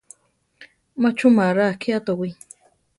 Má chumara akiá towí.